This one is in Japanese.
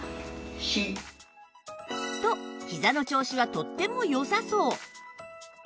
とひざの調子はとっても良さそう